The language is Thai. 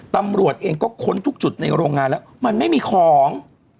ตำรวจเองก็ค้นทุกจุดในโรงงานแล้วมันไม่มีของ